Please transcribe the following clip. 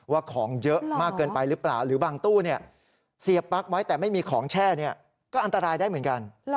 ว่าของเยอะมากเกินไปหรือเปล่าหรือบางตู้เสียบปลั๊กไว้แต่ไม่มีของแช่ก็อันตรายได้เหมือนกัน